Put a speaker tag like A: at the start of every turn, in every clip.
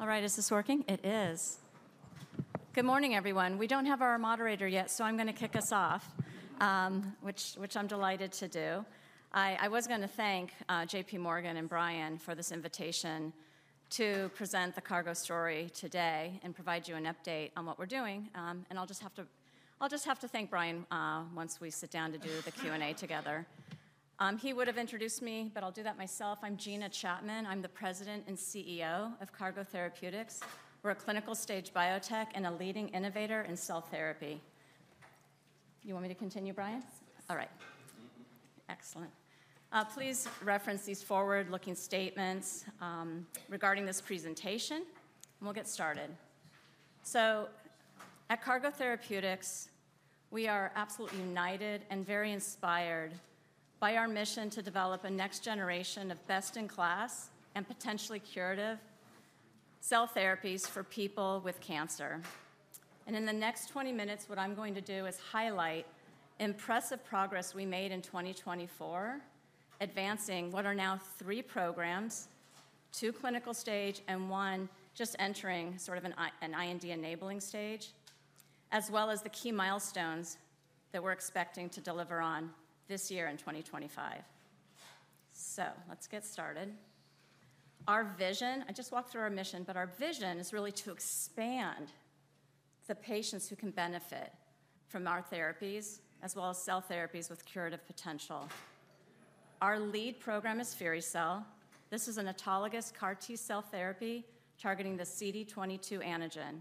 A: All right, is this working? It is. Good morning, everyone. We don't have our moderator yet, so I'm going to kick us off, which I'm delighted to do. I was going to thank JPMorgan and Brian for this invitation to present the CARGO story today and provide you an update on what we're doing. And I'll just have to thank Brian once we sit down to do the Q&A together. He would have introduced me, but I'll do that myself. I'm Gina Chapman. I'm the President and CEO of CARGO Therapeutics. We're a clinical stage biotech and a leading innovator in cell therapy. You want me to continue, Brian?
B: Yes.
A: All right. Excellent. Please reference these forward-looking statements regarding this presentation, and we'll get started, so at CARGO Therapeutics, we are absolutely united and very inspired by our mission to develop a next generation of best-in-class and potentially curative cell therapies for people with cancer, and in the next 20 minutes, what I'm going to do is highlight impressive progress we made in 2024, advancing what are now three programs, two clinical-stage and one just entering sort of an IND-enabling stage, as well as the key milestones that we're expecting to deliver on this year in 2025, so let's get started. Our vision. I just walked through our mission, but our vision is really to expand the patients who can benefit from our therapies, as well as cell therapies with curative potential. Our lead program is firi-cel. This is an autologous CAR T-cell therapy targeting the CD22 antigen.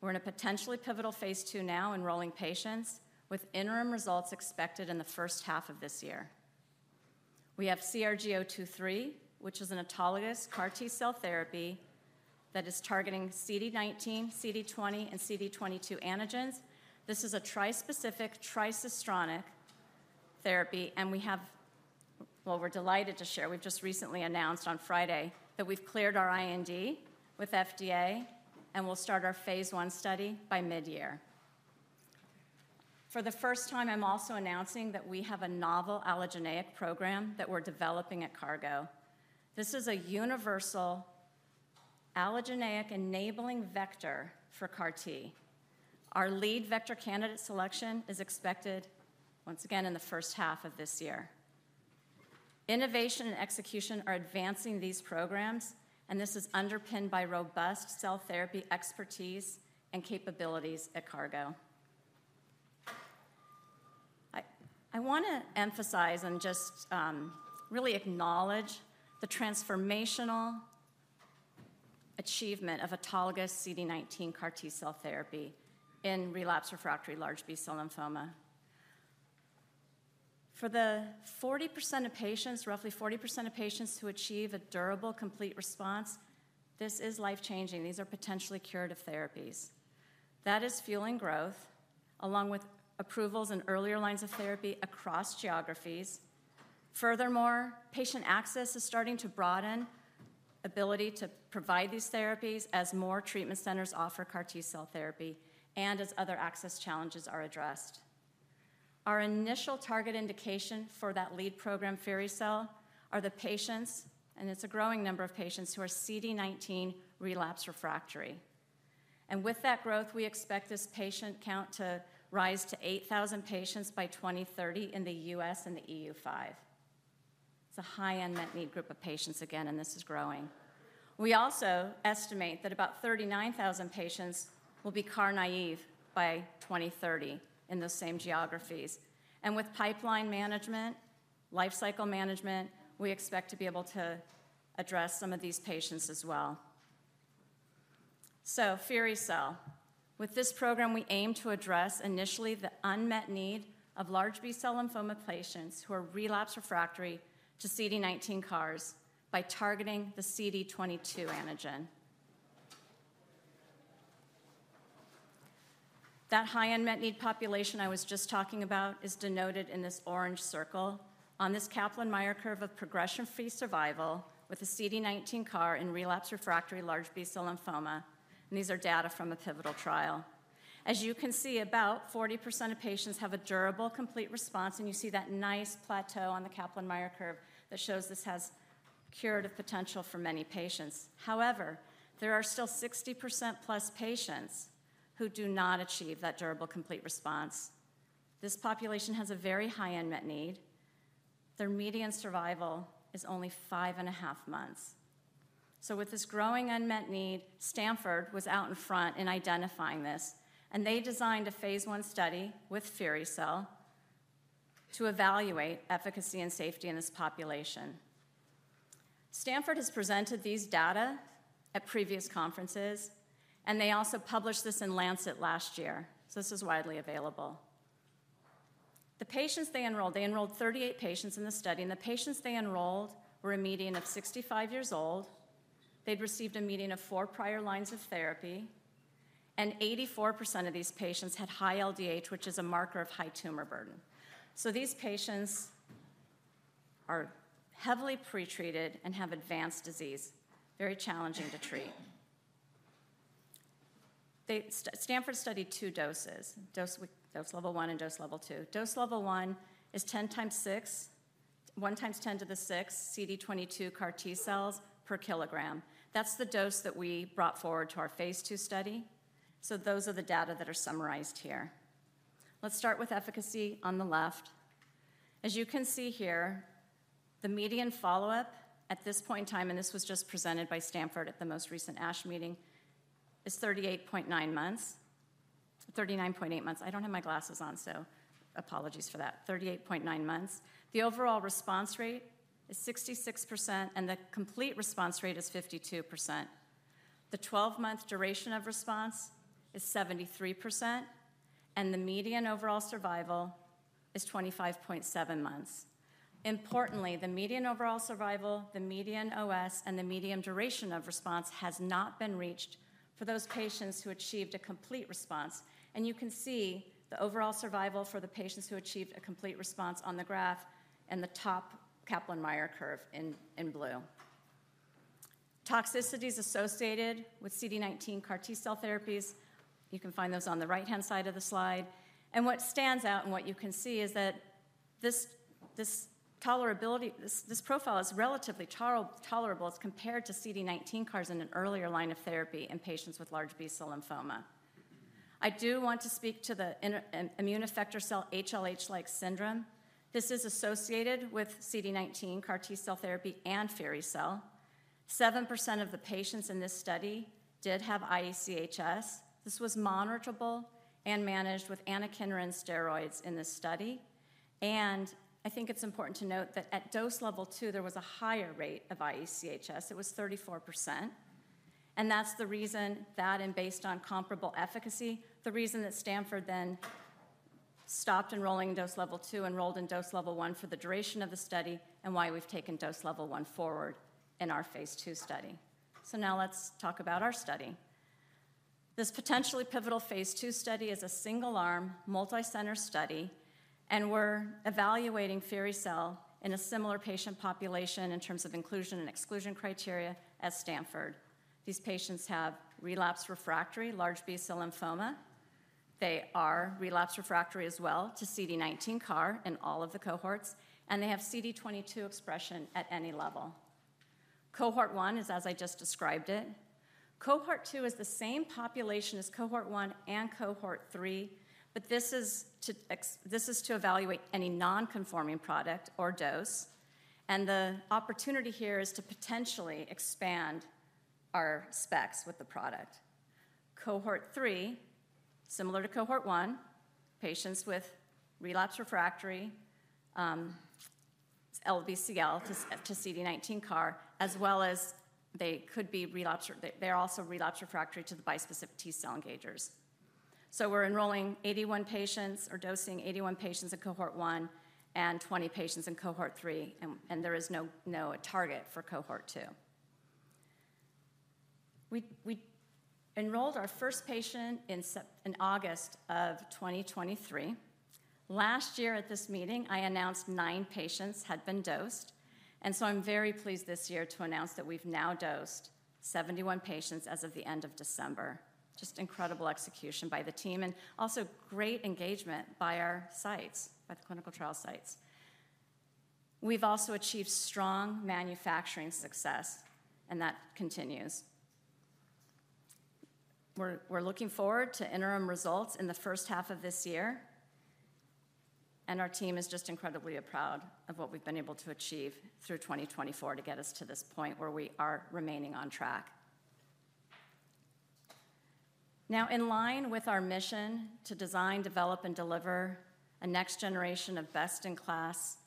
A: We're in a potentially pivotal Phase 2 now, enrolling patients with interim results expected in the first half of this year. We have CRG-023, which is an autologous CAR T-cell therapy that is targeting CD19, CD20, and CD22 antigens. This is a trispecific, tricistronic therapy, and we have, well, we're delighted to share, we've just recently announced on Friday that we've cleared our IND with FDA, and we'll start our Phase 1 study by mid-year. For the first time, I'm also announcing that we have a novel allogeneic program that we're developing at CARGO. This is a universal allogeneic enabling vector for CAR T. Our lead vector candidate selection is expected, once again, in the H1 of this year. Innovation and execution are advancing these programs, and this is underpinned by robust cell therapy expertise and capabilities at CARGO. I want to emphasize and just really acknowledge the transformational achievement of autologous CD19 CAR T-cell therapy in relapsed/refractory large B-cell lymphoma. For the 40% of patients, roughly 40% of patients who achieve a durable, complete response, this is life-changing. These are potentially curative therapies. That is fueling growth, along with approvals in earlier lines of therapy across geographies. Furthermore, patient access is starting to broaden the ability to provide these therapies as more treatment centers offer CAR T-cell therapy and as other access challenges are addressed. Our initial target indication for that lead program, firi-cel, are the patients, and it's a growing number of patients, who are CD19 relapsed/refractory. And with that growth, we expect this patient count to rise to 8,000 patients by 2030 in the U.S. and the EU5. It's a high unmet need group of patients, again, and this is growing. We also estimate that about 39,000 patients will be CAR naive by 2030 in those same geographies. And with pipeline management, lifecycle management, we expect to be able to address some of these patients as well. So firi-cel, with this program, we aim to address initially the unmet need of large B-cell lymphoma patients who are relapse refractory to CD19 CARs by targeting the CD22 antigen. That high unmet need population I was just talking about is denoted in this orange circle on this Kaplan-Meier curve of progression-free survival with a CD19 CAR in relapse refractory large B-cell lymphoma. And these are data from a pivotal trial. As you can see, about 40% of patients have a durable, complete response, and you see that nice plateau on the Kaplan-Meier curve that shows this has curative potential for many patients. However, there are still 60% plus patients who do not achieve that durable, complete response. This population has a very high unmet need. Their median survival is only five and a half months. So with this growing unmet need, Stanford was out in front in identifying this, and they designed a Phase 1 study with firi-cel to evaluate efficacy and safety in this population. Stanford has presented these data at previous conferences, and they also published this in The Lancet last year, so this is widely available. The patients they enrolled, they enrolled 38 patients in the study, and the patients they enrolled were a median of 65 years old. They'd received a median of four prior lines of therapy, and 84% of these patients had high LDH, which is a marker of high tumor burden. So these patients are heavily pretreated and have advanced disease, very challenging to treat. Stanford studied two doses, dose level one and dose level two. Dose level one is 1 times 10 to the 6 CD22 CAR T-cells per kilogram. That's the dose that we brought forward to our Phase 2 study. So those are the data that are summarized here. Let's start with efficacy on the left. As you can see here, the median follow-up at this point in time, and this was just presented by Stanford at the most recent ASH meeting, is 38.9 months, 39.8 months. I don't have my glasses on, so apologies for that. 38.9 months. The overall response rate is 66%, and the complete response rate is 52%. The 12-month duration of response is 73%, and the median overall survival is 25.7 months. Importantly, the median overall survival, the median OS, and the median duration of response has not been reached for those patients who achieved a complete response, and you can see the overall survival for the patients who achieved a complete response on the graph and the top Kaplan-Meier curve in blue. Toxicities associated with CD19 CAR T-cell therapies, you can find those on the right-hand side of the slide, and what stands out and what you can see is that this tolerability, this profile is relatively tolerable as compared to CD19 CARs in an earlier line of therapy in patients with large B cell lymphoma. I do want to speak to the immune effector cell HLH-like syndrome. This is associated with CD19 CAR T-cell therapy and firi-cel. 7% of the patients in this study did have IEC-HS. This was monitorable and managed with anakinra steroids in this study. I think it's important to note that at dose level two, there was a higher rate of IEC-HS. It was 34%. That's the reason that, and based on comparable efficacy, the reason that Stanford then stopped enrolling in dose level two, enrolled in dose level one for the duration of the study, and why we've taken dose level one forward in our Phase 2 study. Now let's talk about our study. This potentially pivotal Phase 2 study is a single-arm, multi-center study, and we're evaluating firi-cel in a similar patient population in terms of inclusion and exclusion criteria as Stanford. These patients have relapsed/refractory large B-cell lymphoma. They are relapsed refractory as well to CD19 CAR in all of the cohorts, and they have CD22 expression at any level. Cohort one is, as I just described it. Cohort two is the same population as cohort one and cohort three, but this is to evaluate any non-conforming product or dose, and the opportunity here is to potentially expand our specs with the product. Cohort three, similar to cohort one, patients with relapsed refractory LBCL to CD19 CAR, as well as they could be relapsed refractory to the bispecific T cell engagers, so we're enrolling 81 patients or dosing 81 patients in cohort one and 20 patients in cohort three, and there is no target for cohort two. We enrolled our first patient in August of 2023. Last year at this meeting, I announced nine patients had been dosed. And so I'm very pleased this year to announce that we've now dosed 71 patients as of the end of December. Just incredible execution by the team and also great engagement by our sites, by the clinical trial sites. We've also achieved strong manufacturing success, and that continues. We're looking forward to interim results in the first half of this year, and our team is just incredibly proud of what we've been able to achieve through 2024 to get us to this point where we are remaining on track. Now, in line with our mission to design, develop, and deliver a next generation of best-in-class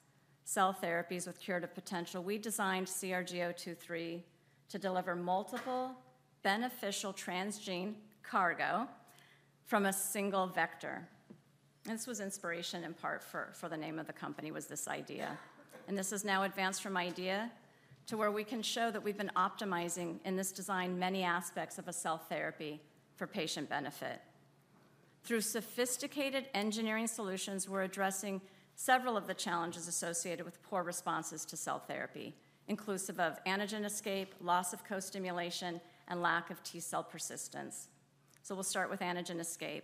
A: cell therapies with curative potential, we designed CRG-023 to deliver multiple beneficial transgene cargo from a single vector. And this was inspiration in part for the name of the company, was this idea. This has now advanced from idea to where we can show that we've been optimizing in this design many aspects of a cell therapy for patient benefit. Through sophisticated engineering solutions, we're addressing several of the challenges associated with poor responses to cell therapy, inclusive of antigen escape, loss of co-stimulation, and lack of T cell persistence. We'll start with antigen escape.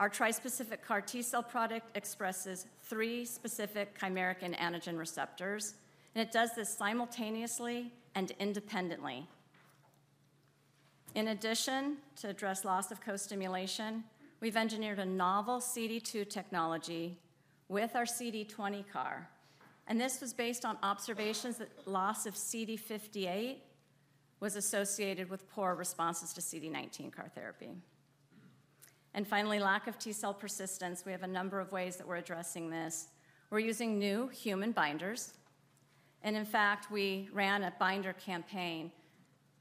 A: Our trispecific CAR T-cell product expresses three specific chimeric antigen receptors, and it does this simultaneously and independently. In addition to address loss of co-stimulation, we've engineered a novel CD2 technology with our CD20 CAR. This was based on observations that loss of CD58 was associated with poor responses to CD19 CAR therapy. Finally, lack of T cell persistence, we have a number of ways that we're addressing this. We're using new human binders. And in fact, we ran a binder campaign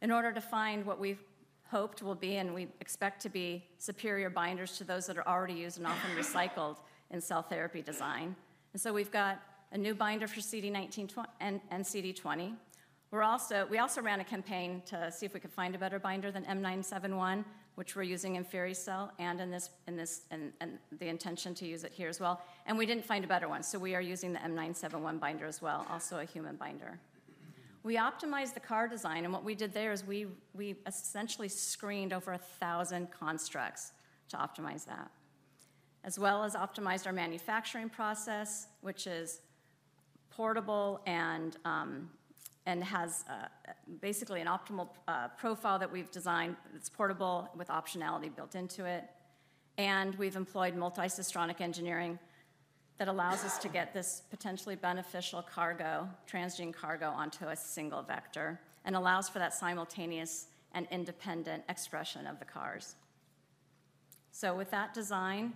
A: in order to find what we've hoped will be, and we expect to be, superior binders to those that are already used and often recycled in cell therapy design. And so we've got a new binder for CD19 and CD20. We also ran a campaign to see if we could find a better binder than M971, which we're using in firi-cel and in the intention to use it here as well. And we didn't find a better one, so we are using the M971 binder as well, also a human binder. We optimized the CAR design, and what we did there is we essentially screened over 1,000 constructs to optimize that, as well as optimized our manufacturing process, which is portable and has basically an optimal profile that we've designed that's portable with optionality built into it. We've employed multicistronic engineering that allows us to get this potentially beneficial CARGO, transgene CARGO, onto a single vector and allows for that simultaneous and independent expression of the CARs. With that design,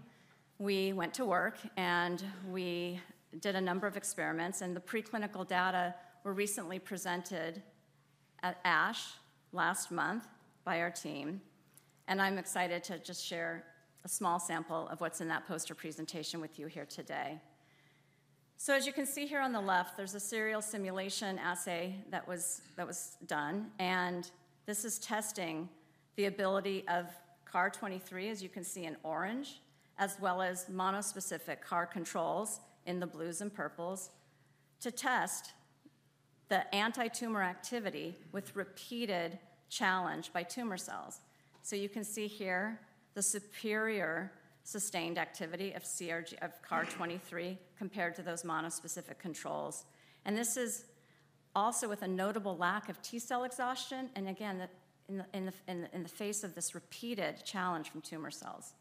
A: we went to work and we did a number of experiments, and the preclinical data were recently presented at ASH last month by our team. I'm excited to just share a small sample of what's in that poster presentation with you here today. As you can see here on the left, there's a serial stimulation assay that was done, and this is testing the ability of CRG-023, as you can see in orange, as well as monospecific CAR controls in the blues and purples to test the anti-tumor activity with repeated challenge by tumor cells. You can see here the superior sustained activity of CRG-023 compared to those monospecific controls. This is also with a notable lack of T cell exhaustion and, again, in the face of this repeated challenge from tumor cells.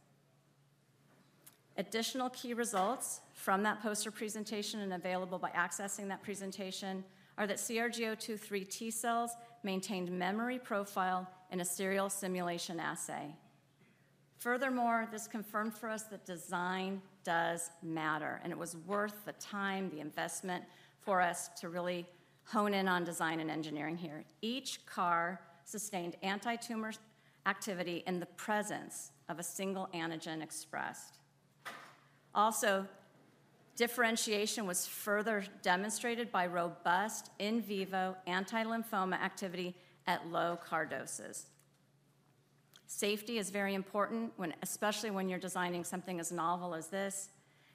A: Additional key results from that poster presentation and available by accessing that presentation are that CRG-023 T cells maintained memory profile in a serial simulation assay. Furthermore, this confirmed for us that design does matter, and it was worth the time, the investment for us to really hone in on design and engineering here. Each CAR sustained anti-tumor activity in the presence of a single antigen expressed. Also, differentiation was further demonstrated by robust in vivo anti-lymphoma activity at low CAR doses. Safety is very important, especially when you're designing something as novel as this,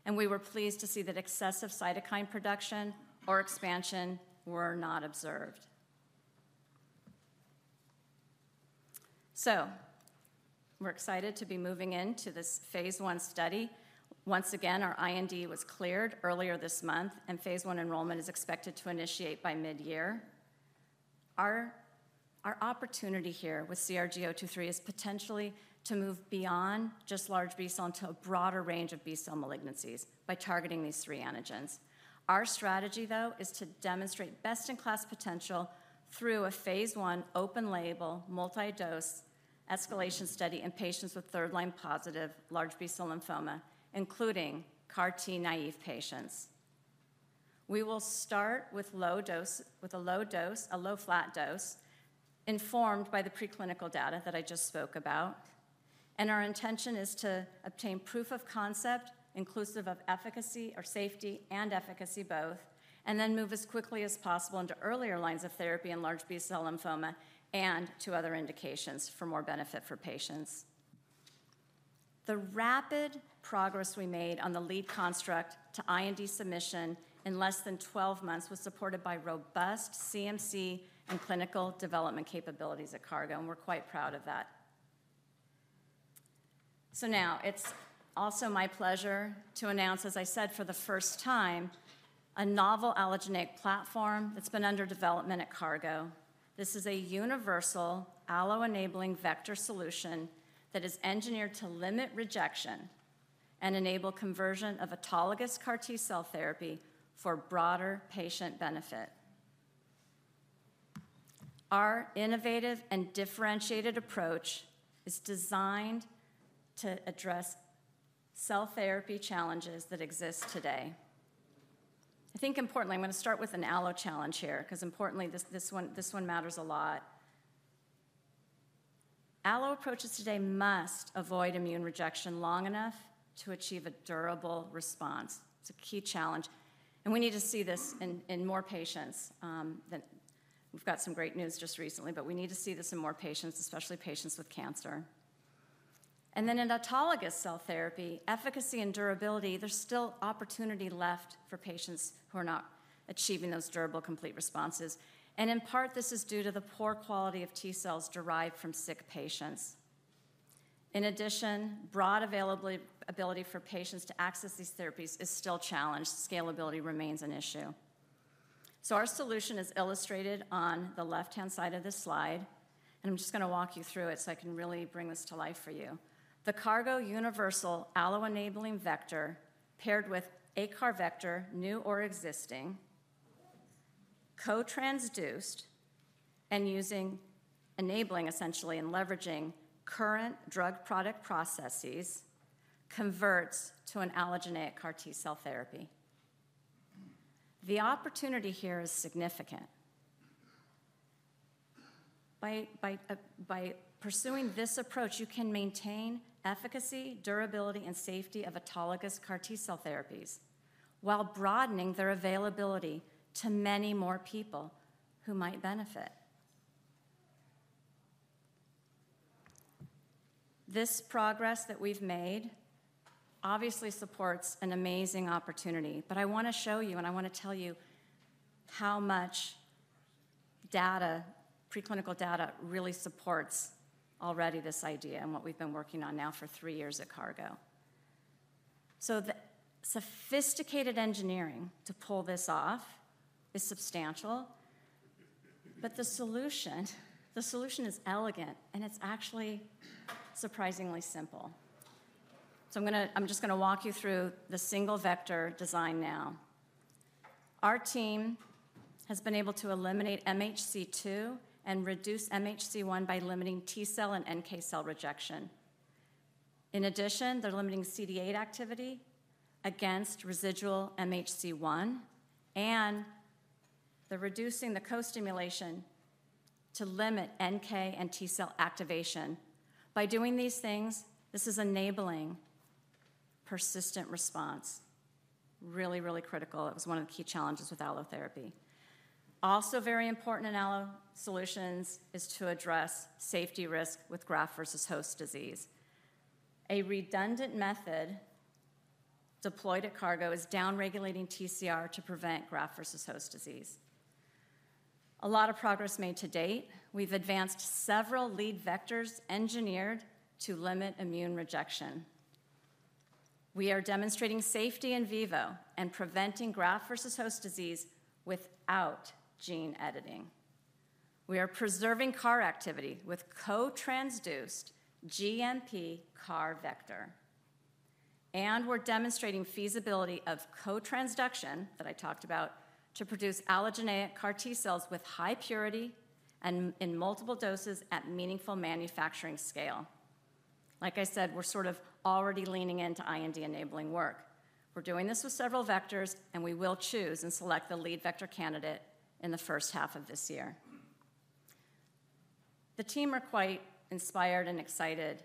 A: and we were pleased to see that excessive cytokine production or expansion were not observed. We're excited to be moving into this Phase 1 study. Once again, our IND was cleared earlier this month, and Phase 1 enrollment is expected to initiate by mid-year. Our opportunity here with CRG-023 is potentially to move beyond just large B-cell into a broader range of B-cell malignancies by targeting these three antigens. Our strategy, though, is to demonstrate best-in-class potential through a Phase 1 open-label, multi-dose escalation study in patients with third-line plus large B-cell lymphoma, including CAR-T naive patients. We will start with a low dose, a low flat dose informed by the preclinical data that I just spoke about. Our intention is to obtain proof of concept inclusive of efficacy or safety and efficacy both, and then move as quickly as possible into earlier lines of therapy in large B-cell lymphoma and to other indications for more benefit for patients. The rapid progress we made on the lead construct to IND submission in less than 12 months was supported by robust CMC and clinical development capabilities at CARGO, and we're quite proud of that. So now it's also my pleasure to announce, as I said, for the first time, a novel allogeneic platform that's been under development at CARGO. This is a universal allo-enabling vector solution that is engineered to limit rejection and enable conversion of autologous CAR T-cell therapy for broader patient benefit. Our innovative and differentiated approach is designed to address cell therapy challenges that exist today. I think importantly, I'm going to start with an allo challenge here because importantly, this one matters a lot. Allo approaches today must avoid immune rejection long enough to achieve a durable response. It's a key challenge, and we need to see this in more patients. We've got some great news just recently, but we need to see this in more patients, especially patients with cancer, and then in autologous cell therapy, efficacy and durability, there's still opportunity left for patients who are not achieving those durable complete responses. And in part, this is due to the poor quality of T cells derived from sick patients. In addition, broad availability for patients to access these therapies is still challenged. Scalability remains an issue, so our solution is illustrated on the left-hand side of this slide, and I'm just going to walk you through it so I can really bring this to life for you. The CARGO universal allo-enabling vector paired with a CAR vector, new or existing, co-transduced, and using enabling, essentially, and leveraging current drug product processes converts to an allogeneic CAR T-cell therapy. The opportunity here is significant. By pursuing this approach, you can maintain efficacy, durability, and safety of autologous CAR T-cell therapies while broadening their availability to many more people who might benefit. This progress that we've made obviously supports an amazing opportunity, but I want to show you, and I want to tell you how much data, preclinical data, really supports already this idea and what we've been working on now for three years at CARGO. The sophisticated engineering to pull this off is substantial, but the solution is elegant, and it's actually surprisingly simple. I'm just going to walk you through the single vector design now. Our team has been able to eliminate MHC II and reduce MHC I by limiting T cell and NK cell rejection. In addition, they're limiting CD8 activity against residual MHC I, and they're reducing the co-stimulation to limit NK and T cell activation. By doing these things, this is enabling persistent response. Really, really critical. It was one of the key challenges with allo therapy. Also very important in allo solutions is to address safety risk with graft-versus-host disease. A redundant method deployed at CARGO is downregulating TCR to prevent graft-versus-host disease. A lot of progress made to date. We've advanced several lead vectors engineered to limit immune rejection. We are demonstrating safety in vivo and preventing graft-versus-host disease without gene editing. We are preserving CAR activity with co-transduced GMP CAR vector. And we're demonstrating feasibility of co-transduction that I talked about to produce allogeneic CAR T-cells with high purity and in multiple doses at meaningful manufacturing scale. Like I said, we're sort of already leaning into IND-enabling work. We're doing this with several vectors, and we will choose and select the lead vector candidate in the first half of this year. The team are quite inspired and excited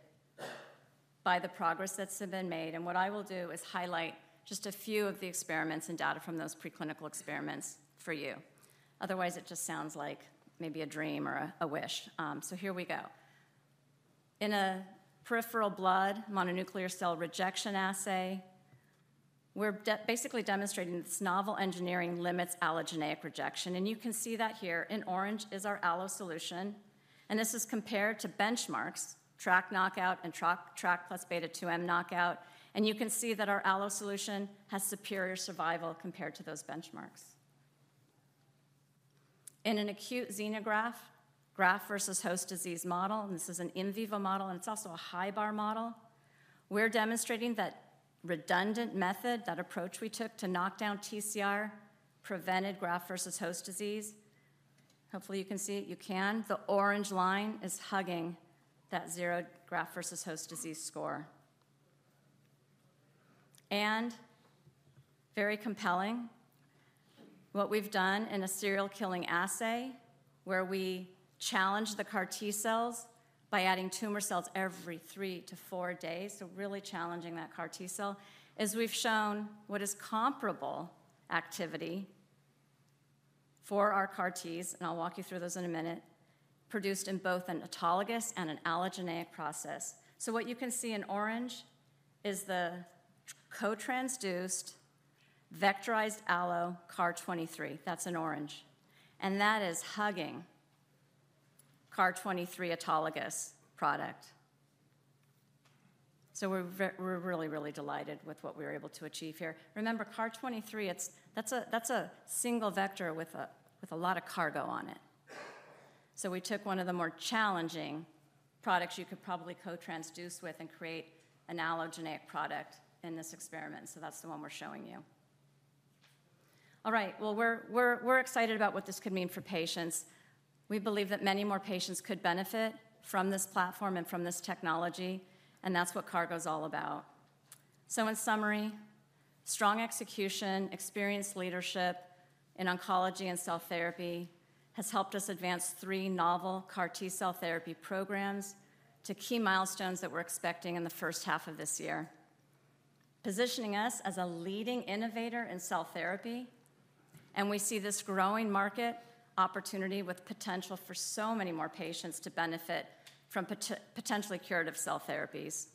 A: by the progress that's been made, and what I will do is highlight just a few of the experiments and data from those preclinical experiments for you. Otherwise, it just sounds like maybe a dream or a wish. So here we go. In a peripheral blood mononuclear cell rejection assay, we're basically demonstrating this novel engineering limits allogeneic rejection, and you can see that here. In orange is our allo solution, and this is compared to benchmarks, TRAC knockout and TRAC plus B2M knockout, and you can see that our allo solution has superior survival compared to those benchmarks. In an acute xenograft graft-versus-host disease model, and this is an in vivo model, and it's also a high bar model, we're demonstrating that redundant method, that approach we took to knock down TCR, prevented graft-versus-host disease. Hopefully, you can see it. You can. The orange line is hugging that zero graft-versus-host disease score. Very compelling, what we've done in a serial killing assay where we challenged the CAR T-cells by adding tumor cells every three to four days, so really challenging that CAR T-cell, is we've shown what is comparable activity for our CAR T-cells, and I'll walk you through those in a minute, produced in both an autologous and an allogeneic process. What you can see in orange is the co-transduced vectorized allo CRG-023. That's in orange, and that is hugging CRG-023 autologous product. We're really, really delighted with what we were able to achieve here. Remember, CRG-023, that's a single vector with a lot of CARGO on it. We took one of the more challenging products you could probably co-transduce with and create an allogeneic product in this experiment, so that's the one we're showing you. All right, we're excited about what this could mean for patients. We believe that many more patients could benefit from this platform and from this technology, and that's what CARGO is all about. In summary, strong execution, experienced leadership in oncology and cell therapy has helped us advance three novel CAR T-cell therapy programs to key milestones that we're expecting in the first half of this year, positioning us as a leading innovator in cell therapy, and we see this growing market opportunity with potential for so many more patients to benefit from potentially curative cell therapies.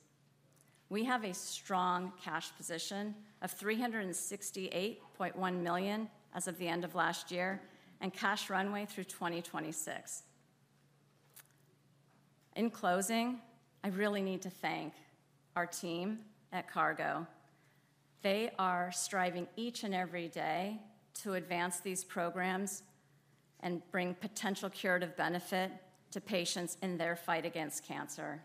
A: We have a strong cash position of $368.1 million as of the end of last year and cash runway through 2026. In closing, I really need to thank our team at CARGO. They are striving each and every day to advance these programs and bring potential curative benefit to patients in their fight against cancer.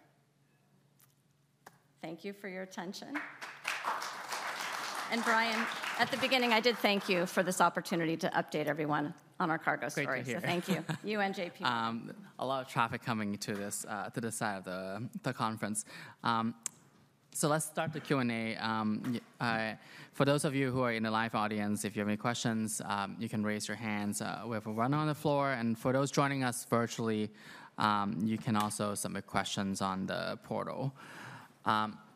A: Thank you for your attention. Brian, at the beginning, I did thank you for this opportunity to update everyone on our CARGO story. Thank you. You and J.P.
B: A lot of traffic coming to this side of the conference. So let's start the Q&A. For those of you who are in the live audience, if you have any questions, you can raise your hands. We have a roving mic on the floor, and for those joining us virtually, you can also submit questions on the portal.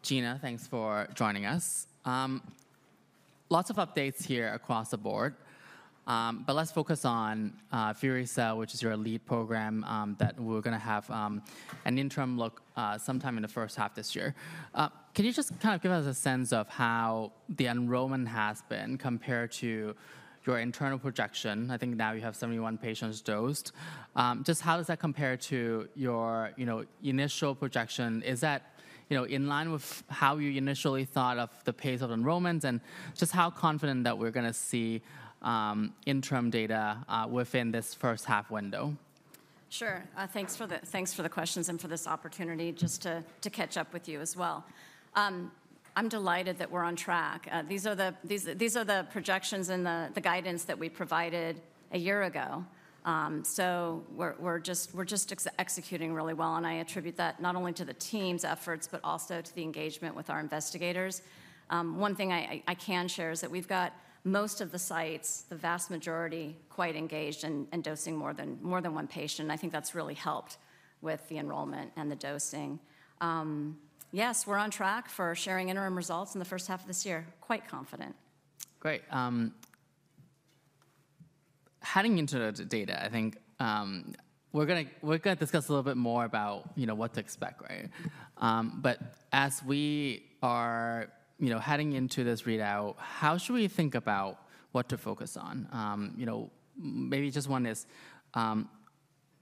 B: Gina, thanks for joining us. Lots of updates here across the board, but let's focus on firi-cel, which is your lead program that we're going to have an interim look sometime in the first half this year. Can you just kind of give us a sense of how the enrollment has been compared to your internal projection? I think now you have 71 patients dosed. Just how does that compare to your initial projection? Is that in line with how you initially thought of the pace of enrollments and just how confident that we're going to see interim data within this first half window?
A: Sure. Thanks for the questions and for this opportunity just to catch up with you as well. I'm delighted that we're on track. These are the projections and the guidance that we provided a year ago. So we're just executing really well, and I attribute that not only to the team's efforts, but also to the engagement with our investigators. One thing I can share is that we've got most of the sites, the vast majority, quite engaged and dosing more than one patient, and I think that's really helped with the enrollment and the dosing. Yes, we're on track for sharing interim results in the first half of this year. Quite confident.
B: Great. Heading into the data, I think we're going to discuss a little bit more about what to expect, right? But as we are heading into this readout, how should we think about what to focus on? Maybe just one is,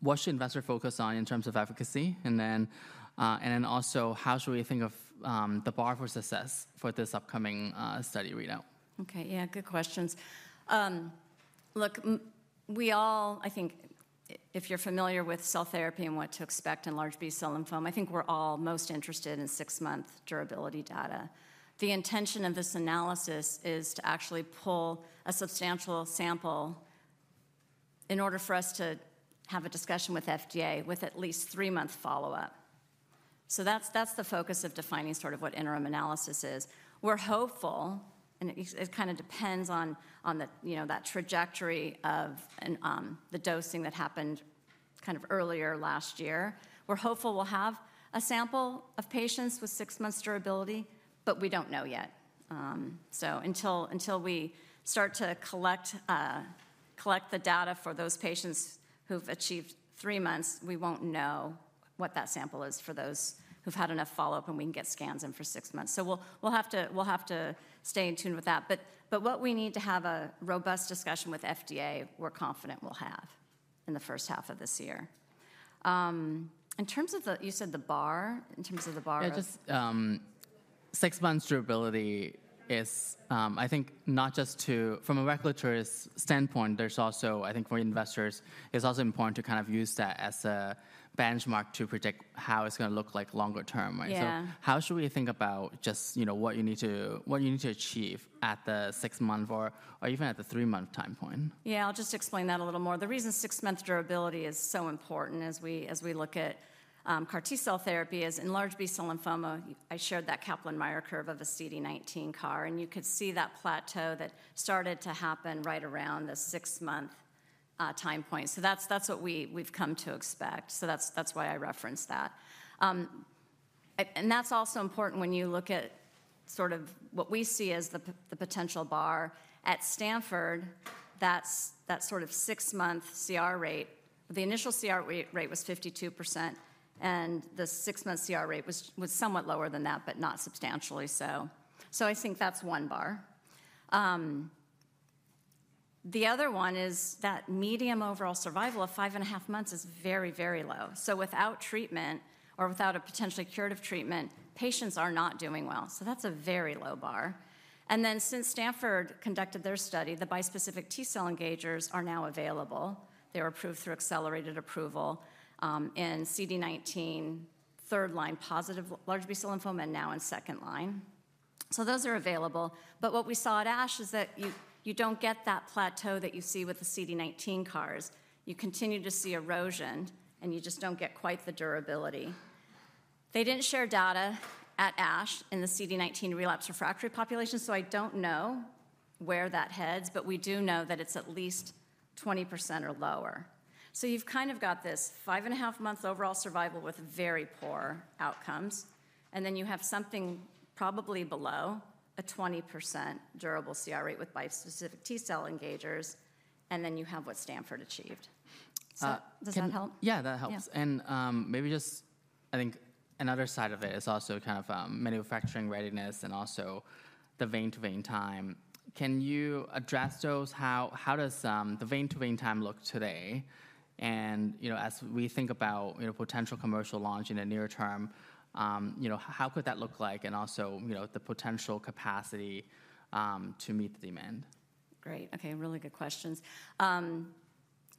B: what should investors focus on in terms of efficacy? And then also, how should we think of the bar for success for this upcoming study readout?
A: Okay, yeah, good questions. Look, we all, I think if you're familiar with cell therapy and what to expect in large B-cell lymphoma, I think we're all most interested in six-month durability data. The intention of this analysis is to actually pull a substantial sample in order for us to have a discussion with FDA with at least three-month follow-up. So that's the focus of defining sort of what interim analysis is. We're hopeful, and it kind of depends on that trajectory of the dosing that happened kind of earlier last year. We're hopeful we'll have a sample of patients with six months durability, but we don't know yet. So until we start to collect the data for those patients who've achieved three months, we won't know what that sample is for those who've had enough follow-up and we can get scans in for six months. So we'll have to stay in tune with that. But what we need to have a robust discussion with FDA, we're confident we'll have in the first half of this year. In terms of the bar you said.
B: Yeah, just six months durability is, I think, not just from a regulatory standpoint, there's also, I think for investors, it's also important to kind of use that as a benchmark to predict how it's going to look like longer term, right? So how should we think about just what you need to achieve at the six-month or even at the three-month time point?
A: Yeah, I'll just explain that a little more. The reason six-month durability is so important as we look at CAR T-cell therapy is in large B-cell lymphoma, I shared that Kaplan-Meier curve of a CD19 CAR, and you could see that plateau that started to happen right around the six-month time point. So that's what we've come to expect. So that's why I referenced that. And that's also important when you look at sort of what we see as the potential bar. At Stanford, that sort of six-month CR rate, the initial CR rate was 52%, and the six-month CR rate was somewhat lower than that, but not substantially so, so I think that's one bar. The other one is that median overall survival of five and a half months is very, very low, so without treatment or without a potentially curative treatment, patients are not doing well. So that's a very low bar, and then since Stanford conducted their study, the bispecific T-cell engagers are now available. They were approved through accelerated approval in CD19-positive large B-cell lymphoma and now in second-line. So those are available, but what we saw at ASH is that you don't get that plateau that you see with the CD19 CARs. You continue to see erosion, and you just don't get quite the durability. They didn't share data at ASH in the CD19 relapsed/refractory population, so I don't know where that heads, but we do know that it's at least 20% or lower. So you've kind of got this five and a half months overall survival with very poor outcomes, and then you have something probably below a 20% durable CR rate with bispecific T-cell engagers, and then you have what Stanford achieved. Does that help?
B: Yeah, that helps. And maybe just, I think another side of it is also kind of manufacturing readiness and also the vein-to-vein time. Can you address those? How does the vein-to-vein time look today? And as we think about potential commercial launch in the near term, how could that look like? And also the potential capacity to meet the demand?
A: Great. Okay, really good questions.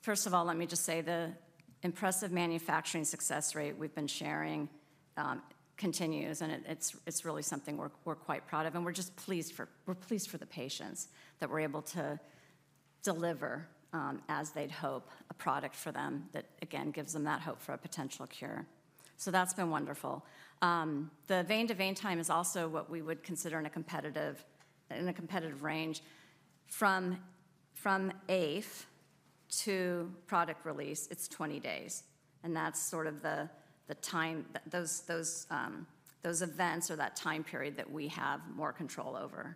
A: First of all, let me just say the impressive manufacturing success rate we've been sharing continues, and it's really something we're quite proud of. And we're just pleased for the patients that we're able to deliver as they'd hope a product for them that, again, gives them that hope for a potential cure. So that's been wonderful. The vein-to-vein time is also what we would consider in a competitive range. From AIF to product release, it's 20 days, and that's sort of the time that those events or that time period that we have more control over.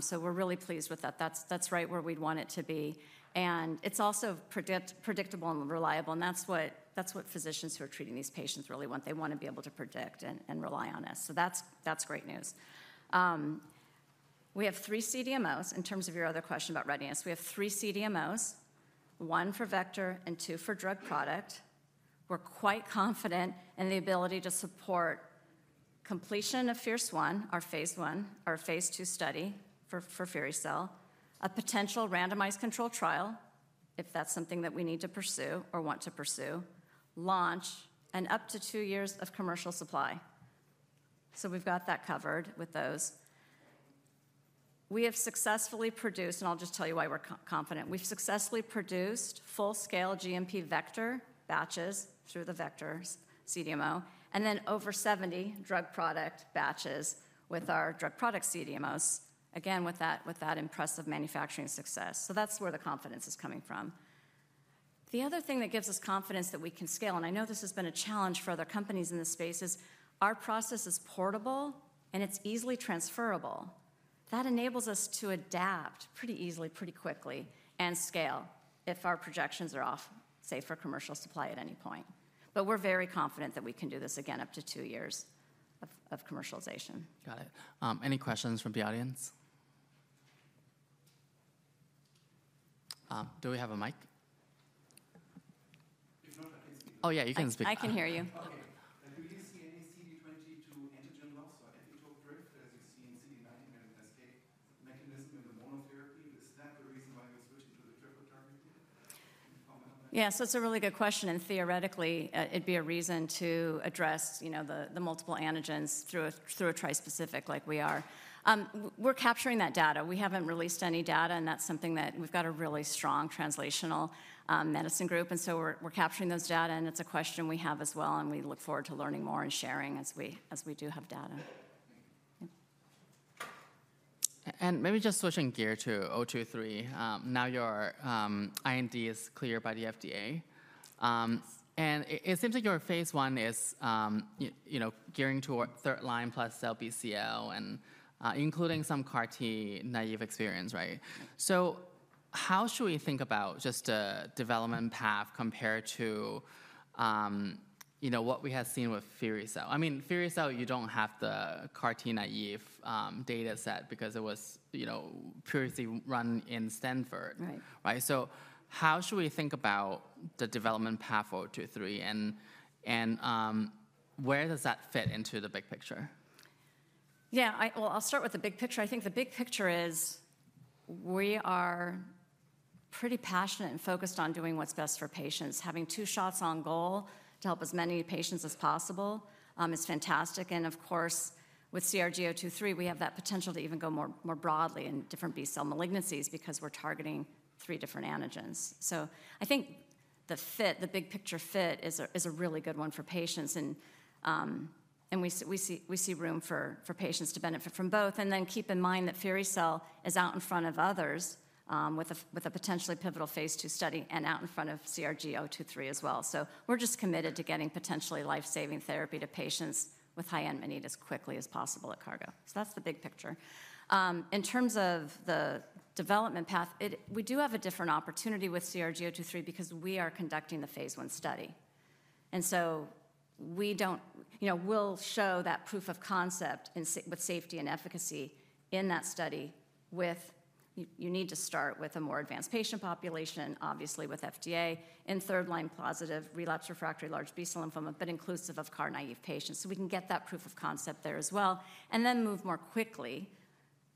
A: So we're really pleased with that. That's right where we'd want it to be. And it's also predictable and reliable, and that's what physicians who are treating these patients really want. They want to be able to predict and rely on us. So that's great news. We have three CDMOs. In terms of your other question about readiness, we have three CDMOs, one for vector and two for drug product. We're quite confident in the ability to support completion of Phase 1, our Phase 1, our Phase 2 study for firi-cel, a potential randomized controlled trial, if that's something that we need to pursue or want to pursue, launch, and up to two years of commercial supply. So we've got that covered with those. We have successfully produced, and I'll just tell you why we're confident. We've successfully produced full-scale GMP vector batches through the vector CDMO, and then over 70 drug product batches with our drug product CDMOs, again, with that impressive manufacturing success. So that's where the confidence is coming from. The other thing that gives us confidence that we can scale, and I know this has been a challenge for other companies in this space, is our process is portable and it's easily transferable. That enables us to adapt pretty easily, pretty quickly, and scale if our projections are off, say, for commercial supply at any point. But we're very confident that we can do this again up to two years of commercialization.
B: Got it. Any questions from the audience? Do we have a mic? Oh, yeah, you can speak.
A: I can hear you. Okay. Do you see any CD22 antigen loss or epitope drift as you see in CD19 and in the escape mechanism in the monotherapy? Is that the reason why you're switching to the triple targeting? Yeah, so it's a really good question, and theoretically, it'd be a reason to address the multiple antigens through a trispecific like we are. We're capturing that data. We haven't released any data, and that's something that we've got a really strong translational medicine group, and so we're capturing those data, and it's a question we have as well, and we look forward to learning more and sharing as we do have data.
B: And maybe just switching gear to CRG-023. Now your IND is cleared by the FDA, and it seems like your Phase 1 is gearing toward third line plus LBCL and including some CAR T naive experience, right? So how should we think about just a development path compared to what we have seen with CRG-022? I mean, CRG-022, you don't have the CAR T naive dataset because it was purely run in Stanford, right? So how should we think about the development path for CRG-023, and where does that fit into the big picture?
A: Yeah, well, I'll start with the big picture. I think the big picture is we are pretty passionate and focused on doing what's best for patients. Having two shots on goal to help as many patients as possible is fantastic. And of course, with CRG-023, we have that potential to even go more broadly in different B cell malignancies because we're targeting three different antigens. So I think the fit, the big picture fit is a really good one for patients, and we see room for patients to benefit from both. And then keep in mind that CRG-022 is out in front of others with a potentially pivotal Phase 2 study and out in front of CRG-023 as well. So we're just committed to getting potentially life-saving therapy to patients with high unmet needs in hematology as quickly as possible at CARGO. So that's the big picture. In terms of the development path, we do have a different opportunity with CRG-023 because we are conducting the Phase 1 study. And so we'll show that proof of concept with safety and efficacy in that study with, you need to start with a more advanced patient population, obviously with FDA, in third-line+ relapsed/refractory large B-cell lymphoma, but inclusive of CAR-naive patients. So we can get that proof of concept there as well, and then move more quickly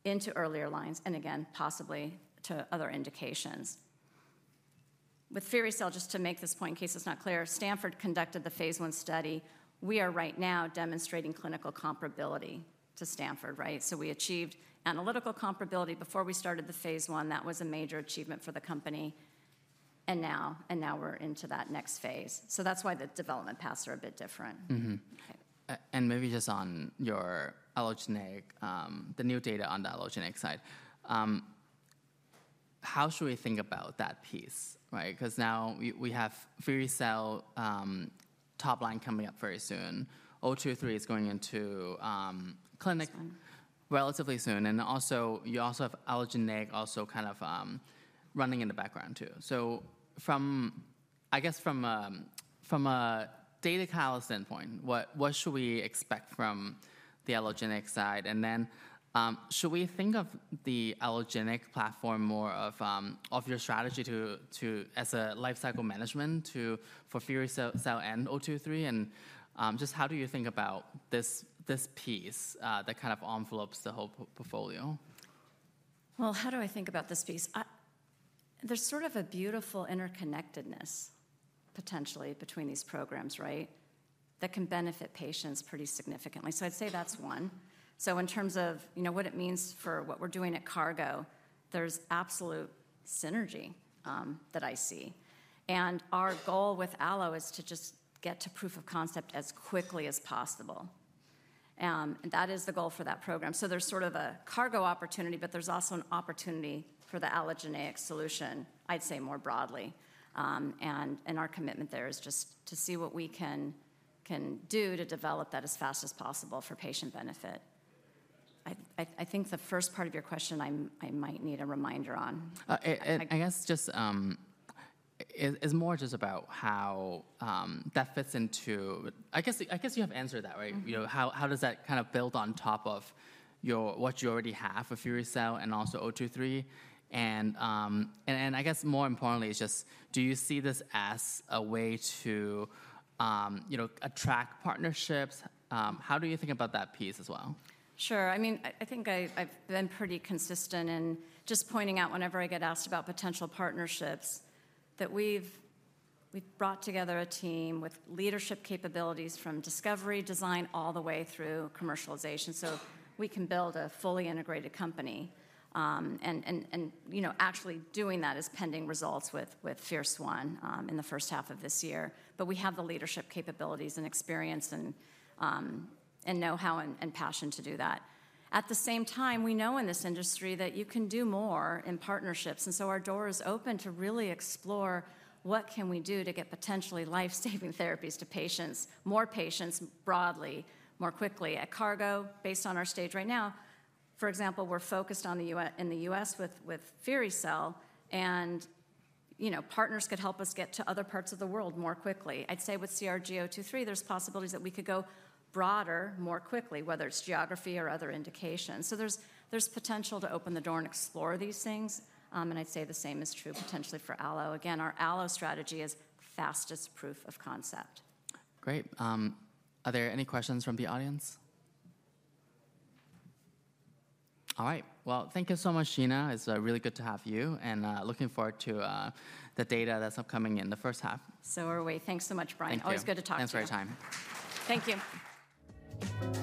A: into earlier lines, and again, possibly to other indications. With firi-cel, just to make this point in case it's not clear, Stanford conducted the Phase 1 study. We are right now demonstrating clinical comparability to Stanford, right? So we achieved analytical comparability before we started the Phase 1. That was a major achievement for the company. And now we're into that next phase. So that's why the development paths are a bit different.
B: And maybe just on your allogeneic, the new data on the allogeneic side, how should we think about that piece, right? Because now we have firi-cel top line coming up very soon. 023 is going into clinic relatively soon. And also you also have allogeneic also kind of running in the background too. So I guess from a data catalyst standpoint, what should we expect from the allogeneic side? And then should we think of the allogeneic platform more of your strategy as a life cycle management for firi-cel and 023? And just how do you think about this piece that kind of envelopes the whole portfolio?
A: How do I think about this piece? There's sort of a beautiful interconnectedness potentially between these programs, right, that can benefit patients pretty significantly. So I'd say that's one. So in terms of what it means for what we're doing at CARGO, there's absolute synergy that I see. And our goal with allo is to just get to proof of concept as quickly as possible. And that is the goal for that program. So there's sort of a CARGO opportunity, but there's also an opportunity for the allogeneic solution, I'd say more broadly. And our commitment there is just to see what we can do to develop that as fast as possible for patient benefit. I think the first part of your question I might need a reminder on.
B: I guess just it's more just about how that fits into, I guess you have answered that, right? How does that kind of build on top of what you already have for firi-cel and also CRG-023? And I guess more importantly, it's just, do you see this as a way to attract partnerships? How do you think about that piece as well?
A: Sure. I mean, I think I've been pretty consistent in just pointing out whenever I get asked about potential partnerships that we've brought together a team with leadership capabilities from discovery design all the way through commercialization so we can build a fully integrated company. And actually doing that is pending results with firi-cel in the first half of this year. But we have the leadership capabilities and experience and know-how and passion to do that. At the same time, we know in this industry that you can do more in partnerships. And so our door is open to really explore what can we do to get potentially life-saving therapies to patients, more patients broadly, more quickly. At CARGO, based on our stage right now, for example, we're focused in the U.S. with firi-cel, and partners could help us get to other parts of the world more quickly. I'd say with CRG-023, there's possibilities that we could go broader more quickly, whether it's geography or other indications. So there's potential to open the door and explore these things. And I'd say the same is true potentially for allo. Again, our allo strategy is fastest proof of concept.
B: Great. Are there any questions from the audience? All right. Well, thank you so much, Gina. It's really good to have you, and looking forward to the data that's upcoming in the first half.
A: So are we. Thanks so much, Brian. Always good to talk to you.
B: Thanks for your time.
A: Thank you.